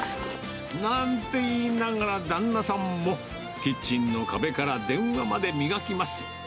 なんて言いながら、旦那さんもキッチンの壁から電話まで磨きます。